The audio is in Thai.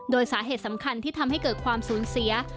โดยสาเหตุสำคัญที่ทำให้เกิดความสูญเสีย